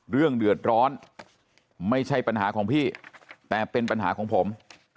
เรื่องเดือดร้อนไม่ใช่ปัญหาของพี่แต่เป็นปัญหาของผม